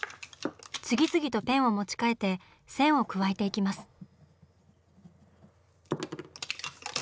次々とペンを持ち替えて線を加えていきます。